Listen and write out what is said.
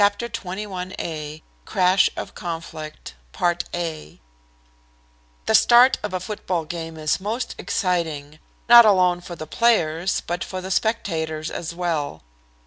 ] CHAPTER XXI CRASH OF CONFLICT The start of a football game is most exciting; not alone for the players, but for the spectators as well.